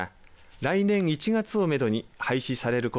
再来年１月をめどに廃止されます。